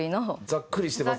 ざっくりしてますね。